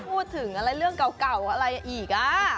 พูดถึงอะไรเรื่องเก่าอะไรอีก